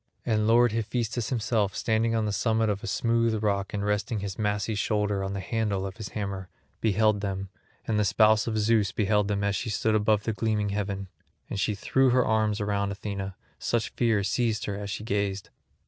And lord Hephaestus himself standing on the summit of a smooth rock and resting his massy shoulder on the handle of his hammer, beheld them, and the spouse of Zeus beheld them as she stood above the gleaming heaven; and she threw her arms round Athena, such fear seized her as she gazed.